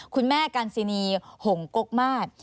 คุณแม่กันซินีหงกกมาศ